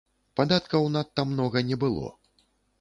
Падаткаў надта многа не было.